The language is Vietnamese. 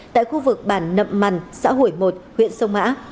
tại khu vực bản nậm mằn xã hủy một huyện sông mã